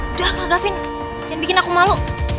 udah kak gafin jangan bikin aku malu